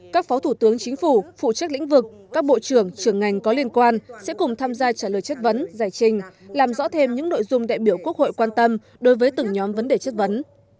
các phó thủ tướng chính phủ phụ trách lĩnh vực các bộ trưởng trường ngành có liên quan sẽ cùng tham gia trả lời chất vấn giải trình làm rõ thêm những nội dung đại biểu quốc hội quan tâm đối với từng nhóm vấn đề chất vấn